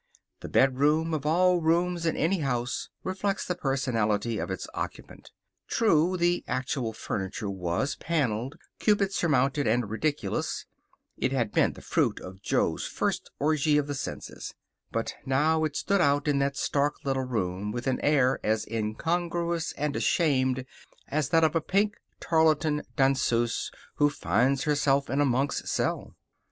The bedroom, of all rooms in any house, reflects the personality of its occupant. True, the actual furniture was paneled, cupid surmounted, and ridiculous. It had been the fruit of Jo's first orgy of the senses. But now it stood out in that stark little room with an air as incongruous and ashamed as that of a pink tarlatan danseuse who finds herself in a monk's cell.